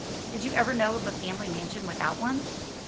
Did you ever know of a family mansion without one?"